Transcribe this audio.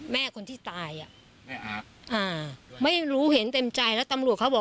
แม่เขาคือแม่ใครครับ